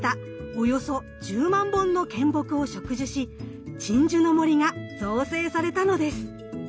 およそ１０万本の献木を植樹し鎮守の森が造成されたのです。